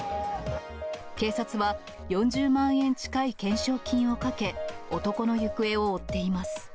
警察は、４０万円近い懸賞金をかけ、男の行方を追っています。